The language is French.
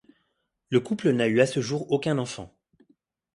Le couple n'a eu à ce jour aucun enfant.